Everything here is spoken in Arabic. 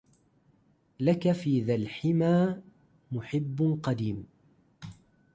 لك في ذا الحمى محب قديم